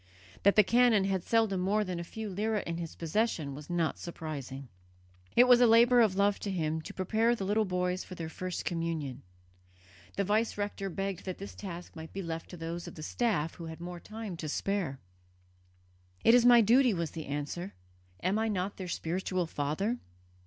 That the canon had seldom more than a few lire in his possession was not surprising. It was a labour of love to him to prepare the little boys for their first communion. The vice rector begged that this task might be left to those of the staff who had more time to spare. "It is my duty," was the answer. "Am I not their spiritual father?"